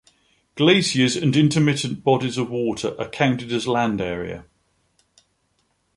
Glaciers and intermittent bodies of water are counted as land area.